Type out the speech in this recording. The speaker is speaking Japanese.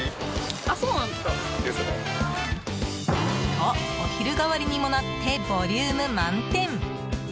と、お昼代わりにもなってボリューム満点。